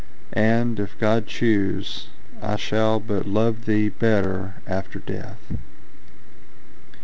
—and, if God choose, I shall but love thee better after death.